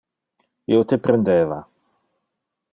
Io te prendeva.